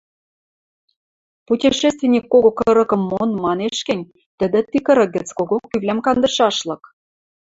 Путешественник кого кырыкым мон, манеш гӹнь, тӹдӹ ти кырык гӹц кого кӱвлӓм кандышашлык.